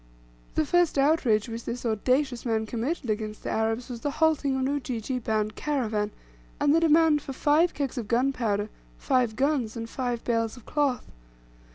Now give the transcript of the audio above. The first outrage which this audacious man committed against the Arabs was the halting of an Ujiji bound caravan, and the demand for five kegs of gunpowder, five guns, and five bales of cloth.